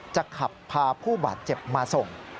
จะขับพาผู้บาดเจ็บมาส่ง